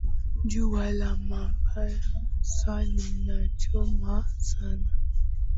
Jua la Mombasa linachoma sana